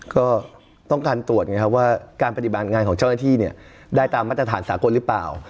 ก็ต้องการตรวจไงครับว่าการปฏิบัติงานของเจ้าหน้าที่เนี่ยได้ตามมาตรฐานสากลหรือเปล่า